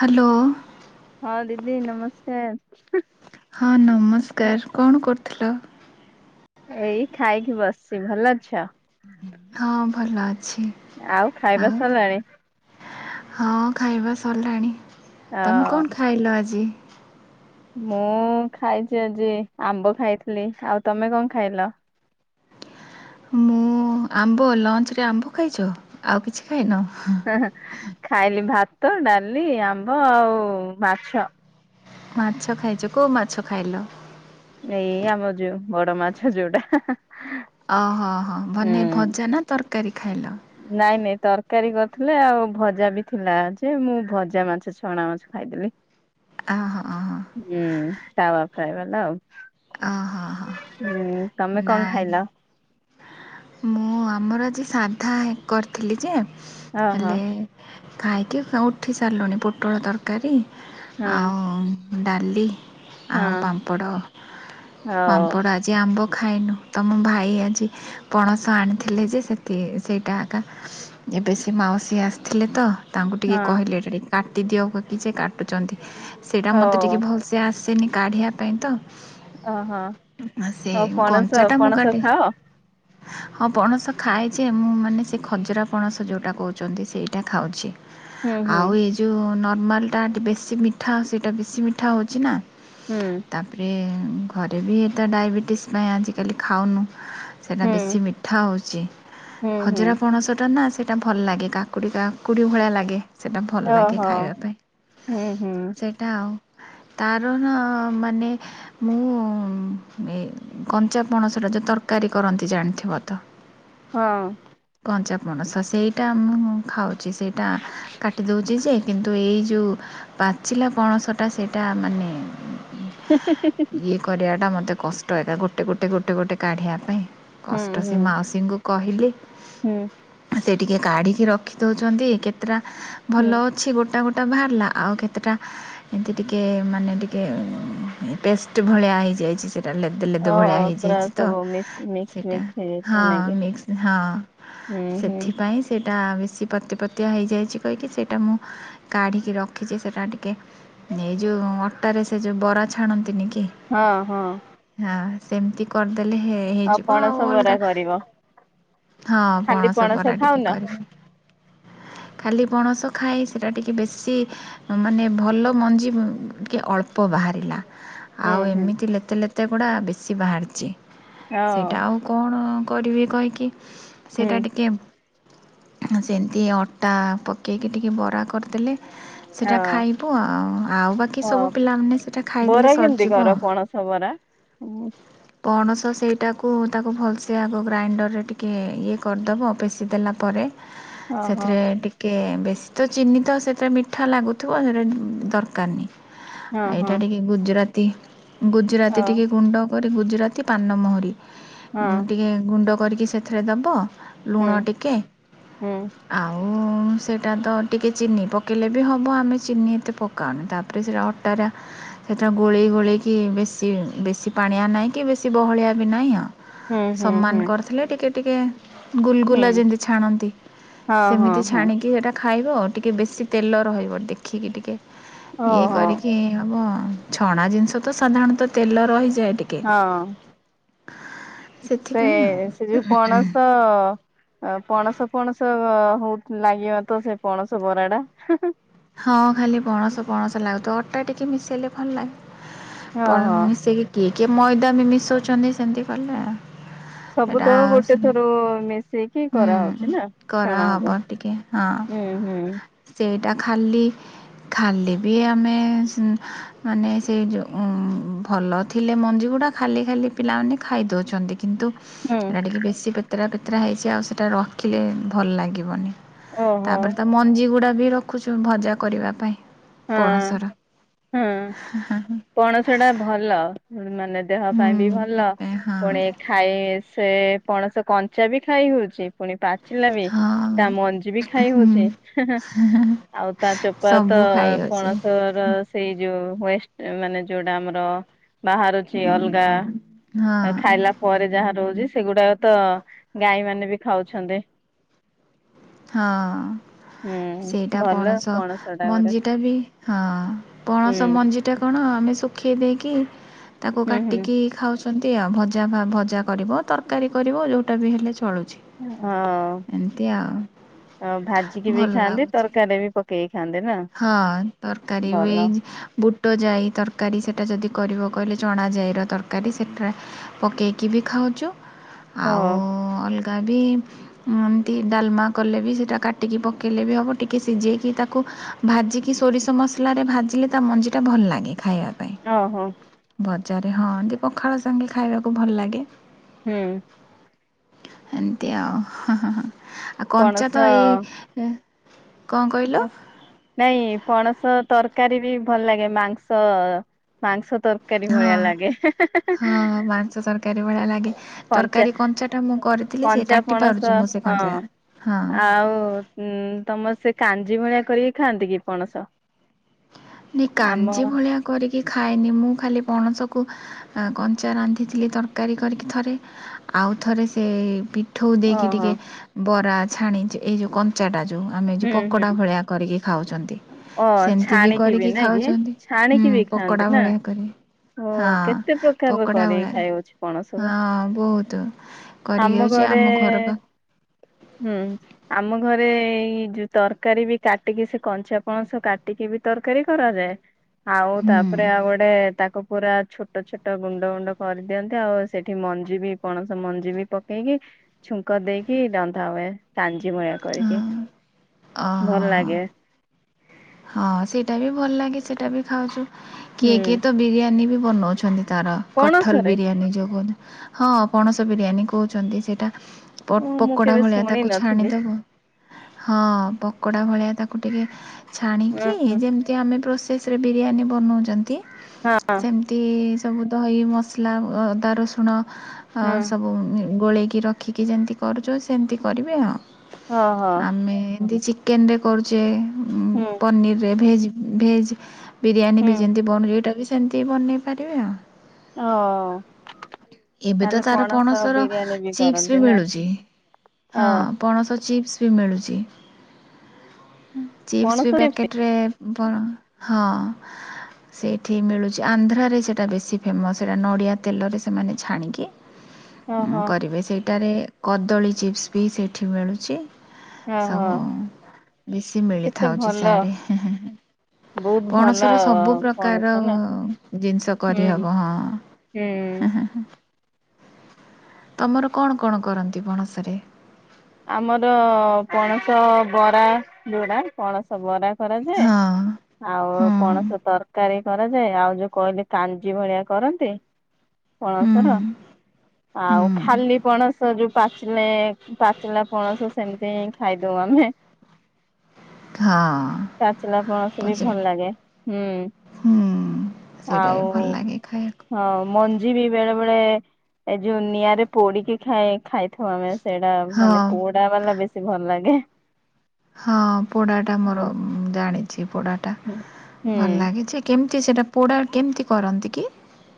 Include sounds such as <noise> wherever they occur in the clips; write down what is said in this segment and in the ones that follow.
Hello. ହଁ ଦିଦି ନମସ୍କାର। ହଁ ନମସ୍କାର କଣ କରୁଥିଲ? ଏଇ ଖାଇକି ବସିସି ଭଲ ଅଛ? ହଁ ଭଲ ଅଛି। ଆଉ ଖାଇବା ସରିଲାଣି? ହଁ ଖାଇବା ସରିଲାଣି ଅ ତମେ କଣ ଖାଇଲ ଆଜି? ମୁଁ ଖାଇଛି ଆଜି ଆମ୍ବ ଖାଇଥିଲି ଆଉ ତମେ କଣ ଖାଇଲ? ମୁଁ ଆମ୍ବ ଲଞ୍ଚରେ ଆମ୍ବ ଖାଇଛ ଆଉ କିଛି ଖାଇନ? ହିଁ ଖାଇଲି ଭାତ ଡାଲି ଆମ୍ବ ଆଉ ମାଛ। ମାଛ ଖାଇଛୁ କୋଉ ମାଛ ଖାଇଲ? ଏଇ ଆମର ଯୋଉ ବଡ ମାଛ ଯୋଉଟା। ଓହୋହୋ ଭନ ହୁଁ। ଭଜା ନା ତରକାରୀ ଖାଇଲ? ନାଇଁ ନାଇଁ ତରକାରୀ କରିୁଥିଲେ ଆଉ ଭଜା ବି ଥିଲା ଯେ ମୁଁ ଭଜା ମାଛ ଛଣା ଖାଇଦେବି ଅହ ଅହ। ହୁଁ ତାୱା ଫ୍ରାଏ ବାଲା ଆଉ। ଓହୋ ହୋ ହୁଁ ତମେ କଣ ନାଇଁ ଖାଇଲ? ମୁଁ ଆମର ଆଜି ସାଧା କରିଥିଲି ଯେ ଓହୋ ହଁ ହେଲେ ଖାଇକି ଉଠି ସାରିଲୁଣି ପୋଟଳ ତରକାରୀ ଆଉ ଡାଲି। ହଁ ଆଉ ପାମ୍ପଡ ହଉ ପାମ୍ପଡ ଆଜି ଆମ୍ବ ଖାଇନୁ ତମ ଭାଇ ଆଜି ପଣସ ଆଣିଥିଲେ ଯେ ସେଠି ସେଇଟା ଆଗା ଏବେ ସେି ମାଉସୀ ଆସିଥିଲେ ତ। ତାଙ୍କୁ ଟିକିେ ହଁ। କହିଲେ ଏଇଟା ଟିକେ କାଟିଦିଅ କି ସେ କାଟୁଛନ୍ତି ସେଇଟା ଓ ମୋତେ ଟିକିଏ ଭଲସେ ଆସ ସେନି କାଢ଼ିବା ପାଇଁ ଓହୋ ସେ ଆଉ ପଣସ କଞ୍ଚା ଟା ମୁଁ ପଣସ କାଟେ। ଖାଅ? ହଁ ପଣସ ଖାଏ ଯେ ମୁଁ ମାନେ ସେ ଖଜୁରା ପଣସ ଯଉଟା କହୁଛନ୍ତି ସେଇଟା ଖାଉଛି। ହୁଁ ହୁଁ ଆଉ ଏ ଯେଉଁ ନର୍ମାଲଟାେ ବେଶୀ ମିଠା ସେଇଟା ବେଶୀ ମିଠା ହେଉଛି ନା। ହୁଁ ତାପରେ ଘରେ ବି ଏଟା ଡାଇବେଟିସ୍ ପାଇଁ ଆଜିକାଲି ଖାଉନୁ। ସେଇଟା ହୁଁ ବେଶୀ ମିଠା ହଉଛି ହୁଁ ହୁଁ ହଜରା ପଣଶହ ଟା। ସେଇଟା ଭଲ ଲାଗେ କାକୁଡ଼ି କାକୁଡ଼ି ଭଳିଆ ଲାଗେ। ସେଇଟା ଭଲ ଲାଗେ ଓହୋ ଖାଇବା ପାଇଁ ହୁଁ ହୁଁ ସେଇଟା ଆଉ। ତାର ନା ମାନେ ମୁଁ କଞ୍ଚା ପଣସ ଟା ଆ ଯେଉଁ ତରକାରୀ କରନ୍ତି ଜାଣିଥିବ ତ। ହଁ। କଞ୍ଚା ପଣସ ସେଇଟା ମୁଁ ଖାଉଛି ସେଇଟା କାଟି ଦେଉଛି ଯେ କିନ୍ତୁ ଏଇ ଯେଉଁ ପାଚିଲା ପଣସଟା ସେଇଟା ମାନେ ଇଏ କରିବାଟା ମୋତେ କଷ୍ଟ ଏକା ଗୋଟେ ଗୋଟେ ଗୋଟେ ଗୋଟେ କାଢ଼ିବା ପାଇଁ ହୁଁ କଷ୍ଟ ହୁଁ ସେ ମାଉସୀଙ୍କୁ କହିଲି। ହୁଁ। ସେ ଟିକିେ କାଢ଼ିକି ରଖିଦଉଛନ୍ତି କେତେଟା ହୁଁ ଭଲ ଅଛି ଗୋଟା ଗୋଟେ ତେଟା ବାହାରିଲା ଆଉ କେତେଟା ଏମିତି ଟିକେ ମାନେ ଟିକେ ପେଷ୍ଟ ଭଳିଆ ହେଇଯାଇଛି ସେ ଟା ଲେଦୁ ଲେଦୁ ଓହୋ ଭଳିଆ ପୁରା ହେଇଯାଇଛି ତ। ସବୁ ମିକ୍ସ ମିକ୍ସ ସେଟା ମିକ୍ସ ହେଇଯାଇଥିବ ନାଇଁ କି? ହଁ ହଁ ହୁଁ ହୁଁ ସେଥିପାଇଁ ସେଟା ବି ପତି ପତିଆ ହେଇଯାଇଛି କହିକି ସେଇଟା ମୁଁ କାଢ଼ିକି ରଖିଛି ସେଇଟା ଟିକେ ନେଇଯୁ ଯୋଉ ଅଟାରେ ସେ ଯୋଉ ବରା ଛାଣନ୍ତିନି କି? ହଁ ହଁ। ହଁ ସେମିତି କରିଦେଲେ ହେ ହେଇଯିବ। ଆଉ ପଣସ ବରା ଅଲଗା କରିବ। ହଁ ଖାଲି ପଣସ ପରା ଟିକେ ଖାଉନ? କରିବି। ଖାଲି ପଣସ ଖାଇ ସେଇଟା ଟିକିେ ବେଶୀ ମାନେ ଭଲ ମଞ୍ଜି ଟିକିଏ ଅଳ୍ପ ବାହାରିଲା। ହୁଁ ଆଉ ହୁଁ ଏମିତି ଲେତେ ଲେତେ ଗୁଡା ବେଶୀ ବାହାରିଛି ହଁ ସେଇଟା ଆଉ କଣ? କରିବି କହିକି ହୁଁ ସେଇଟା ଟିକେ ସେମିତି ଅଟା ପକେଇକି ଟିକେ ବରା କରିଦେଲେ ସେଇଟା ହଁ ଖାଇବୁ ଆଉ ଆଉ ବାକି ସବୁ ହଁ ପିଲାମାନେ ସେଇଟା ଖାଇଦେଲେ ସରିଯିବ ଆଉ। ହୁଁ। ପଣସ ସେଇଟା କୁ ତାକୁ ଭଲସେ ଆଗ ଗ୍ରାଇଣ୍ଡରରେ ଟିକେ ଇଏ କରିଦେବ ପେଶି ଦେଲା ପରେ ଓହୋ ସେଥିରେ ଟିକେ ବେଶୀ ତ ଚିନି ତ ସେଥିରେ ମିଠା ଲାଗୁଥିବ ସେଇଟା ଦରକାରନି। ହଁ ହଁ ଏଇଟା ଟିକେ ଗୁଜୁରାତି ଓ ଗୁଜୁରାତି ଟିକେ ଗୁଣ୍ଡ ଗ ଗୁଜୁରାତି ପାନମୋହୁରି ହଁ ଟିକେ ଗୁଣ୍ଡ କରିକି ସେଥିରେ ଦେବ। ହୁଁ ଲୁଣ ଟିକେ ହୁଁ ଆଉ ସେଇଟା ତ ଟିକେ ଚିନି ପକେଇଲେ ବି ହେବ ଆମେ ଚିନି ଏତେ ପକାଉନି ତା ପରେ ସେଇଟା ଅଟାଟା ସେଥିରେ ଗୋଳେଇ ଗୋଳେଇକି ବେଶୀ ବେଶୀ ପାଣିଆ ନାହିଁ କି ବେଶୀ ବହଳିଆ ବି ନାହିଁ। ହୁଁ ହୁଁ ହୁଁ ସମ୍ମାନ କରିଥିଲେ ଟିକେ ଟିକେ ହୁଁ ଗୁଲଗୁଲା ଯେମିତି ଛାଣନ୍ତି ହଁ ହଁ ସେମିତି ହଁ ଛାଣିକି ଏଟା। ଖାଇବ ଆଉ ଟିକେ ବେଶୀ ତେଲ ରହିବ ଦେଖିକି ଟିକେ ଇଏ ଓହୋ କରିକି ହେବ। ଛଣା ଜିନିଷ ତ ସାଧାରଣତଃ ତେଲ ରହିଯାଏ ଟିକେ। ହଁ ସେ ସେଥିପାଇଁ ଆଉ ସେ ଯୋଉ ପଣସ ଅ ପଣସ ପଣସ ହଉ ଲାଗିବ ତ ସେ ପଣସ ବରା ଟା। ହଁ ଖାଲି ପଣସ ପଣସ ଲାଗୁଥ ଅଟା ଟିକିେ ମିଶାଇଲେ ଭଲ ହଁ ଲାଗେ। ହଁ ମିଶେଇକି କିଏ କିଏ ମଇଦା ବି ମିଶଉଛନ୍ତି ସେମତି କଲେ ଆଉ। ସବୁ ତ ଗୋଟେ ଥର ମିଶିକ କି କରାହେଉଛି ନା ଛଣା କରାହବ ହବ ହୁଁ ହୁଁ। ଏଇଟା ଖାଲି। ଖାଲି ବି ଆମେ ମାନେ ସେଇ ଯଉ ଭଲ ଥିଲେ ମଞ୍ଜି ଗୁ ଗୁଡା ଖାଲି ଖାଲି ପିଲାମାନେ ଖାଇଦଉଛନ୍ତି। କିନ୍ତୁ ହୁଁ ଏଇଟା ଟିକେ ବେଶୀ ପେତେରା ପେତେରା ହେଇଛି ଆଉ ସେଇଟା ରଖିଲେ ଭଲ ଲାଗିବନି। ଓହୋ ତାପରେ ତା ମଞ୍ଜି ଗୁଡା ବି ରଖୁଛୁ ଭଜା କରିବା ପାଇଁ। ହଁ ପଣସର ହୁଁ ପଣସଟା ଭଲ। ମାନେ ଦେହ ହୁଁ ପାଇଁ ବି ଭଲ ସେଥିପାଇଁ ପୁଣି ହଁ ଖାଇ ସେ ପଣସ କଞ୍ଚା ବି ଖାଇ ହଉଛି ପୁଣି ପାଚ ହେଲାବି ହଁ ତା ମଞ୍ଜି ବି ଖାଇ ହୁଁ ହଉଛି ଆଉ ତା ଚୋପା ତ। ସବୁ ଖାଇଅଛି ପଣସ ସେଇ ହେଏଷ୍ଟ ମାନେ ଯୋଉଟା ଆମର ବାହାରୁଛି ଅଲଗା। ଆ ହଁ ଖାଇଲା ପରେ ଯାହା ରହୁଛି। ସେଗୁଡାକ ତ ଗାଈ ମାନେ ବି ଖାଉଛନ୍ତି। ହଁ ହୁଁ ସେଇଟା ଭଲ ପଣସ ଟା ଗୋଟେ ମଞ୍ଜି। ସେଟା ବି ହଁ ପଣସ ହୁଁ ମଞ୍ଜି ଟା କଣ ଆମେ ଶୁଖେଇ ଦେଇକି ତାକୁ ହୁଁ ହୁଁ କାଟିକି ଖାଉଛନ୍ତି ଆଉ ଭଜା ଭଜା କରିବ ତରକାରୀ କରିବ ଯଉଟା ବି ହେଲେ ଚଳୁଛି। ହଁ ଏମିତି ଆଉ ଭାଜିକି ବି ଭଲ ଖାଆନ୍ତି ଲାଗୁଛି। ତରକାରୀ ବି ପକେଇିକି ହଁ ତରକାରୀ ବୁଟ ଯାଇ ତରକାରୀ ସେଟା ଯଦି କରିବ କହିଲେ ଚଣା ଜାଇର ତରକାରୀ ସେଠାରେ ପକାଇକି ବି ଖାଉଛୁ। ଆଉ ହଁ ଅଲଗା। କା ବି ଏମିତି ଡାଲମା କଲେ ବି ସେଇଟା କାଟିକି ପକେଇଲେ ବି ହେବ ଟିକେ ସିଝେଇକି ତାକୁ ଭାଜିକି ସୋରିଷ ମସଲାରେ ଭାଜିଲେ ତା ମଞ୍ଜିଟା ଭଲ ଲାଗେ ଖାଇବାକୁ। ଓ ହୋ। ବଜାର ହଁ ଏି ପଖାଳ ସାଙ୍ଗେ ଖାଇବାକୁ ଭଲ ଲାଗେ। ହୁଁ। ଏମିତି ଆଉ ହ ହ ଆଉ କଞ୍ଚା ପଣସ ତ ଏଇ କ'ଣ କହିଲ ହଁ ନାଇଁ। ପଣସ ତରକାରୀ ବି ଭଲ ଲାଗେ ମାଂସ ମାଂସ ତରକାରୀ ଭଆ ହଁ ଲାଗେ ହେଁ ହେଁ ହେଁ। କାରିଭଲି ଲାଗେ। ତରକାରୀ କଞ୍ଚା ଟା ମୁଁ କରିଥିଲି ସେ କଞ୍ଚା କାଟି ପଣସ ପାରୁଛି ମୁଁ ସେ କଞ୍ଚା ହଁ। ଉୁଁ ତମର ସେ କାଞ୍ଜି ଭଳିଆ କରିକି ଖାଆନ୍ତି କି ପଣସ? ନ ଆମ କାଞ୍ଜି ଭଳିଆ କରିକି କି ଖାଏନି ମୁଁ ଖାଲି ପଣସକୁ କଞ୍ଚା ରାନ୍ଧିଥିଲି ତରକାରୀ କରିକି ଥରେ। ଆଉଥରେ ସେ ପି ଠୋ ଦେଇକି ଓହୋ ଟିକେ ବରା ଛାଣିଚି ଏଇ ଯୋଉ କଞ୍ଚାଟା ଯେଉଁ ଆମେ ହୁଁ ଯେଉଁ ପକୋଡ଼ା ହୁଁ ଭଳିଆ କରିକି ଖାଉଛନ୍ତି। ଓ ସେମିତି ବି ଛାଣି। କରିକି ଖାଉଛନ୍ତି ହୁଁ ପକୋଡା ନା ଭଳିଆ କରି ଓ ହଁ କେତେ ପ୍ରକାରର ପକୋଡା ଭଳି କରିକି ଖାଇ ହଉଛି ପଣସକୁ ହଁ ବହୁତ କରିକି ଚି ଆମ ଘର ପା ହୁଁ ଆମ ଘରେ ଏଇ ଯୋଉ ତରକାରୀ ବି କାଟିକି ସେ କଞ୍ଚା ପଣସ କାଟିକି ବି ତରକାରୀ କରାଯାଏ ଆଉ ହୁଁ ତାପରେ ଆଉ ଗୋଟେ ତାକୁ ତା ପୁରା ଛୋଟ ଛୋଟ ଗୁଣ୍ଡ ଗୁଣ୍ଡ କରିଦିଅନ୍ତି ଆଉ ସେଠି ମଞ୍ଜି ବି ପଣସ ମଞ୍ଜି ବି ପକେଇକି ଛୁଙ୍କ ଦେଇକି ରନ୍ଧା ହୁଏ ତାଞ ଜିମଳିଆ କରିକି ହଁ ଭଲ ଓହୋ ହଁ ଲାଗେ। ହଁ ସେଇଟା ବି ଭଲ ଲାଗେ ସେଇଟା ବି ଖାଉଛୁ ହୁଁ କିଏ କିଏ ତ ବିରିୟାନୀ ବି ବନଉଛନ୍ତି। ତାର କଥଲ ପଣସରେ ବିରିୟାନୀ ଯୋଉ କହନ୍ତି ହଁ ପଣସ ବିରିୟାନୀ କହୁଛନ୍ତି ସେଟା। ଓ ମୁଁ ପ-ପକୋଡା କେବେ ଭଳିଆ ଶୁଣି ତାକୁ ନଥିଲି ଛାଣିଦବ ହଁ ପ ପକଡ଼ା ଭଳିଆ ତାକୁ ଟିକେ ଉଁ ଛାଣିକି ହୁଁ ଯେମିତି ଆମେ ପ୍ରୋସେସ୍ ରେ ବିରିୟାନୀ ବନାଉଛନ୍ତି। ହଁ ସେମିତି ସବୁ ଦହି ମସଲା ଅଦା ରସୁଣ ଅ ହୁଁ ସବୁ ଗୋଳେଇକି ରଖିକି ଯେମିତି କରୁଛ ସେମିତି କରିବେ ଆଉ। ହଁ ହଁ। ଏମତି ଚିକେନରେ କରୁଛେ ଉଁ ହୁଁ ପନିରରେ ଭେଜ ଭେଜ୍ ବିରିୟାନୀ ହୁଁ ବି ଯେମିତି ବନଛି ଏଇଟା ବି ସେମିତି ବନେଇ ପାରିବେ ଆଉ ଆଁ। ଏବେ ତ ତାର ପଣସର ଚିପ୍ସ ବି କରନ୍ତି ନା ମିଳୁଛି। ଓ ହଁ ପଣସ ଚିପ୍ସ। ବି ମିଳୁଛି ଚିପ୍ସ ପଣସ ବି ଚିପ୍ସ ପ୍ୟାକେଟ୍ ରେ ବର ହଁ ସେଇଠି ମିଳୁଛି ଆନ୍ଧ୍ରରେ ସେଇଟା ବେଶୀ ଫେମସ ସେଇଟା ନଡ଼ିଆ ତେଲରେ ସେମାନେ ଛାଣିକି ଓହୋ କରିବେ ସେଇଟାରେ କଦଳୀ ଚିପ୍ସ ବି ସେଇଠି ମିଳୁଛି। ଓହୋ ସବୁ ବେଶୀ ମିଳି କେତେ ଥାଉଛି ଭଲ ସିଆଡେ। ବହୁତ ଭଲ ପଣସ ର ସବୁ ପଣସ ପ୍ରକାର ନା ଜିନିଷ ହୁଁ କରିହବ ହଁ। ହୁଁ। ତମର କଣ କଣ କରନ୍ତି ପଣସରେ? ଆମର ପଣସ ବରା ଯୋଉଟା ପଣସ ବରା। କରାଯାଏ ହଁ ଆଉ ହୁଁ ପଣସ ତରକାରୀ। କରାଯାଏ ଆଉ ଯୋଉ କହିଲେ କାଞ୍ଜି ଭଳିଆ କରନ୍ତି। ହୁଁ ପଣସ ର ଆଉ ହୁଁ ଖାଲି ପଣସ ଯୋଉ ପାଚିଲେ ପା ପଚିଲା ପଣସ ସେମିତି ହି ଖାଇଦଉ ଆମେ ହଁ ପାଚିଲା ପଣସ ବି ପଚାରି ଭଲ ଲାଗେ ହୁଁ। ହୁଁ ସେଇଟା ଆଉ ବି ଭଲ ଲାଗେ ଖାଇବାକୁ। ହଁ ମ ଆଜି ବି ବେଳେ ବେଳେ ଏ ଯୋଉ ନିଆଁରେ ପୋଡିକି ଖାଇ ଖାଇଥାଉ ଆମେ ସେଇଟା। ମାନେ ହଁ ପୋଡା ବାଲା ବେଶୀ ଭଲ ଲାଗେ। ହଁ ପୋଡାଟା ହୁଁ ମୋର ଜାଣିଛି ପୋଡା ଟା ହୁଁ ଭଲ ହୁଁ। ଲାଗିଛି କେମି ସେଇଟା ପୋଡ଼ା କେମିତି କରନ୍ତି କି?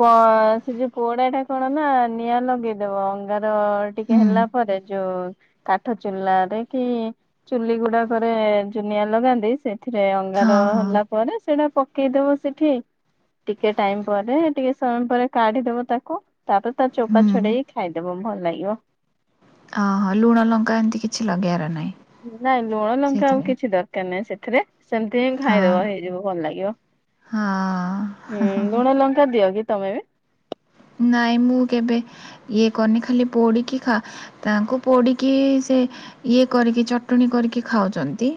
କଣ ସେ ଯୋଉ ପୋଡା ଟା କଣ ନା ନିଆଁ ଲଗେଇ ଦବ ଅଙ୍ଗାର ଟିକେ ହୁଁ ହେଲା ପରେ ଯୋଉ କାଠ ଚୁଲାରେ କି ଚୁଲି ଗୁଡାକରେ ଜୁନିଆ ଲଗାନ୍ତି ସେ ଏଥିରେ ଅଙ୍ଗାର ହଁ ହଁ ହେଲା ପରେ ସେଟା ପକେଇ ଦବ ସେଠି ଟିକେ ଟାଇମ ପରେ ଟିକେ ସମୟ ପରେ କାଢିଦବ ତାକୁ ତାପରେ ତା ଚୋପା ହୁଁ ଛଡେଇକି ଖାଇଦବ ଭଲ ଲାଗିବ। ଅହୋ ଲୁଣ ଲଙ୍କା ଏମତି କିଛି ଲଗେଇବାର ନାହିଁ। ନାଇଁ ଲୁଣ ଲଙ୍କା ଆଉ ସେଇଥିରେ କିଛି ଦରକାର ନାଇଁ ସେ ଏଥିରେ ସେମିତି ହିଁ ହଁ ଖାଇଦବ ହେଇଯିବ ଭଲ ଲାଗିବ ହଁ ହଁ ହୁଁ ହଁ ହଁ ଲୁଣ ଲ <unintelligible> ତମେ ନାଇଁ ମୁଁ କେବେ ଇଏ କନି ଖାଲି ପୋଡିକି ଖା ତାଙ୍କୁ ପୋଡିକି ଇଏ କରିକି ଚଟଣି କରିକି ଖାଉଚନ୍ତି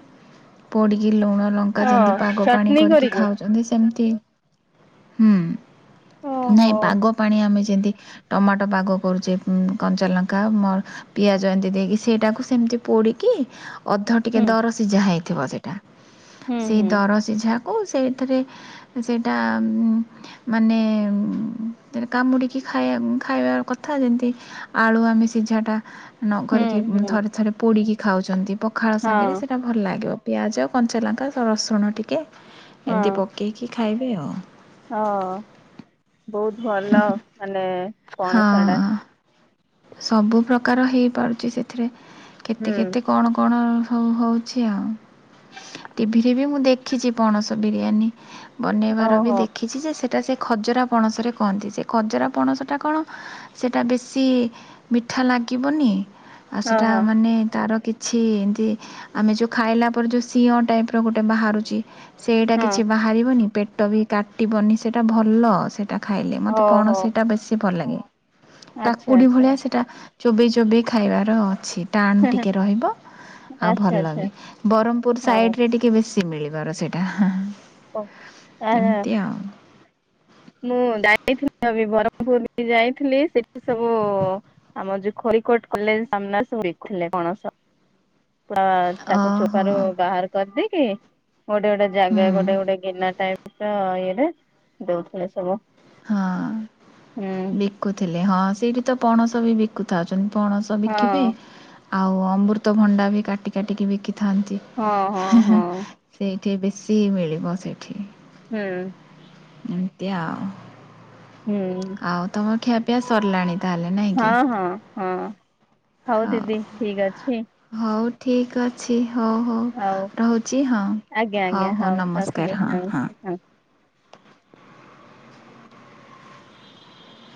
ପୋଡ଼ିକି ଲୁଣ ଲଙ୍କା ହଁ ଯେମତି ପାଗ ପାଣି ଚଟନି କରିକି ଖାଉଚନ୍ତି ସେମିତି ହୁଁ। ନାଇଁ ଓହୋ। ପାଗ ପାଣି ଆମେ ଯେମିତି ଟମାଟ ପାଗ କରୁଚେ କଞ୍ଚା ଲଙ୍କା ମ ପିଆଜ ଏମିତି ଦେଇକି ସେଇଟାକୁ ସେ ଏମିତି ପୋଡ଼ିକି ଅଧ ଟିକେ ହୁଁ ଦର ସିଜା ହେଇଥିବ ସେଟା ହୁଁ ସେଇ ହୁଁ ଦର ସିଝା କୁ ସେଇଥିରେ ସେଇଟା ମାନେ କାମୁଡ଼ିକି ଖାଇବା ଖାଇବା କଥା ଯେମିତି ଆଳୁ ଆମେ ସିଝାଟା ନ ହୁଁ କରିକି ହୁଁ ଥରେ ଥରେ ପୋଡ଼ିକି ଖାଉଚନ୍ତି ପଖାଳ ହଁ ସାଙ୍ଗରେ ସେଇଟା ଭଲ ଲାଗିବ। ପିଆଜ କଞ୍ଚା ଲଙ୍କା ରସୁଣ ଟିକେ ହଁ ଏମିତି ପକେଇକି ଖାଇବେ ଆଉ। ହଁ ବହୁତ ଭଲ ମାନେ କଣ ହଁ ସେଟା ସବୁ ପ୍ରକାର ହେଇପାରୁଚି ସେଥିରେ କେତେ ହୁଁ କେତେ କଣ କଣ? ହଉ ହଉଚି ଆଉ ଟିଭିରେ ବି ମୁଁ ଦେଖିଛି ପଣସ ବିରିୟାନୀ। ବନେଇବାର ବି ଓହୋ ଦେଖିଛି ଯେ ସେ ଟା ସେଇ ଖଜରା ପଣସରେ କହନ୍ତି ସେ ଖଜରା ପଣସ ଟା କଣ ସେଟା ବେଶୀ ମିଠା ଲାଗିବନି ଆଉ ହଁ ସେଟା ହଁ। ମାନେ ତାର କିଛି ଏମିତି ଆମେ ଯୋଉ ଖାଇଲା ପରେ ଯୋଉ ସିଂହ ଟାଇପ ର ଗୋଟେ ବାହାରୁଚି ସେଇଟା ହଁ କିଛି ବାହାରିବନି ପେଟ ବି କାଟିବନି ସେଇଟା ଭଲ ସେ ଇଟା ଖାଇଲେ ମୋତେ ଓହୋ ପଣସିଟା ବେଶୀ ଭଲ ଲାଗେ। ଆଚ୍ଛା କାକୁଡ଼ି ଆଚ୍ଛା। ଭଳିଆ ସେଇଟା ଚୋବେଇ ଚୋବେଇ ଖାଇବାର ଅଛିି। ଟାଣ ଟିକେ ରହିବ ଆଉ ଆଚ୍ଛା ଭଲ ଆଚ୍ଛା ବି ବ୍ରହ୍ମପୁର ହଉ। ସାଇଡ଼ରେ ଟିକେ ବେଶୀ। ମିଳିବାର ସେଇଟା ହଁ। ଓ ଆ ମୁଁ ଯାଇଥିଲି ଅବି ବରମପୁର ବି ଯାଇଥିଲି ସେଠି ସବୁ ଆମ ଜୋଉ ଖୋ କୋଟ କଲେ ସାମ୍ନା <unintelligible> ପଣସ। ତାକୁ ଓହୋ ଚୋପାରୁ ବାହାର କରିଦେଇକି ଗୋଟେ ଗୋଟେ ହୁଁ ଜାଗା ଗୋଟେ ଗୋଟେ ଗିନା ଟାଇପ ତ ଇଏରେ ଦଉଥିଲେ ସବୁ। ହୁଁ ହଁ ବିକୁଥିଲେ ହଁ ସେଇଠି ତ ପଣସ ବି ବିକୁଥା ପଣସ ହଁ ବିକିବେ ଆଉ ଅମୃତ ଭଣ୍ଡା ବି କାଟି କାଟିକି ବିକି ଥାନ୍ତି ହଁ ହଁ ହିଁ ହିଁ ହଁ ସେଇଠି ବେଶୀ ମିଳିବ ସେଇଠି। ହୁଁ। ଏମତି ଆଉ। ହୁଁ ଆଉ ତମ ଖିଆପିଆ ସରିଲାଣି ତାହେଲେ ନାଇଁ କି? ହଁ ହଁ ହଁ ହଉ ଦିଦି ଠିକ ଅଛି। ହଉ ଠିକ୍ ଅଛି। ହଉ ହଉ ରହୁଚି ହଁ ଆଜ୍ଞା ଆଜ୍ଞା ହଉ ହଉ ରଖିଲି ନମସ୍କାର ହଁ ହଁ। ନମସ୍କାର